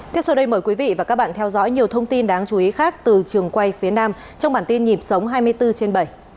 tiếp sau đây mời quý vị và các bạn theo dõi nhiều thông tin đáng chú ý khác từ trường quay phía nam trong bản tin nhịp sống hai mươi bốn trên bảy